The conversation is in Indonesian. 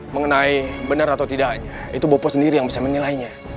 mengenai benar atau tidaknya itu bopo sendiri yang bisa menilainya